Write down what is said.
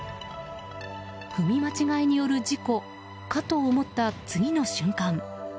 踏み間違いによる事故かと思った次の瞬間